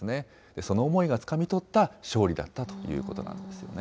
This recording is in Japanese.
その思いがつかみとった勝利だったということなんですよね。